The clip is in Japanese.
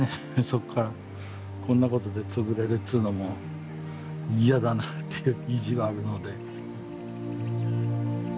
そこからこんなことで潰れるっつうのも嫌だなっていう意地があるので。